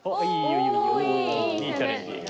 いいチャレンジ。